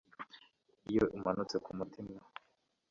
Iyo umanutse kumutima